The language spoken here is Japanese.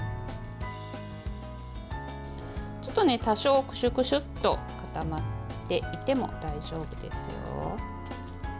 多少クシュクシュと固まっていても大丈夫ですよ。